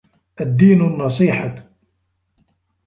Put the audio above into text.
الدين النصيحة